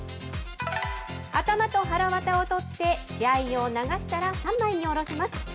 頭とはらわたを取って、血合いを流したら、三枚に下ろします。